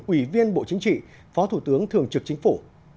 ủy viên bộ chính trị phó thủ tướng thường trực chính phủ